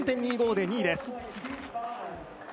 ８４．２５で２位です。